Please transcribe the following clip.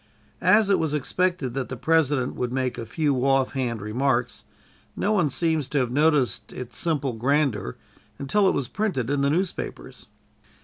As it was expected that the President would make a few offhand remarks, no one seems to have noticed its simple grandeur until it was printed in the newspapers.